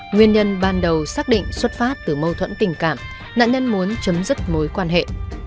nguyên nhân ban đầu xác định xuất phát từ mâu thuẫn tình cảm nạn nhân muốn chấm dứt mối quan hệ